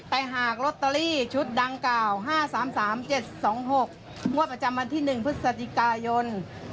แต่หากลอตเตอรี่ชุดดังกล่าว๕๓๓๗๒๖งวดประจำวันที่๑พฤศจิกายน